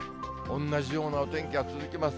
同じようなお天気が続きます。